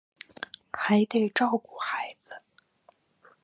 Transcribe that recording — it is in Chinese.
还得照顾孩子